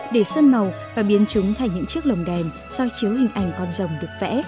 để sơn màu và biến chúng thành những chiếc lồng đèn soi chiếu hình ảnh con rồng được vẽ